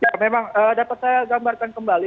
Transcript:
ya memang dapat saya gambarkan kembali